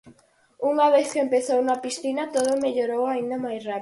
Unha vez que empezou na piscina todo mellorou aínda máis rápido.